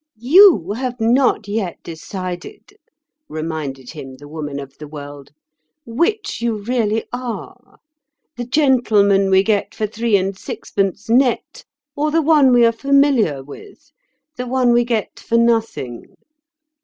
"You have not yet decided," reminded him the Woman of the World, "which you really are: the gentleman we get for three and sixpence net, or the one we are familiar with, the one we get for nothing."